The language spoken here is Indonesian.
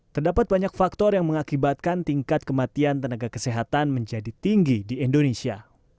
terdapat banyak faktor yang mengakibatkan tingkat kematian tenaga kesehatan menjadi tinggi di indonesia